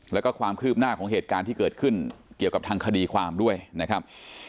แล้วก็ความคืบหน้าของเหตุการณ์ที่เกิดขึ้นเกี่ยวกับทางคดีความด้วยนะครับ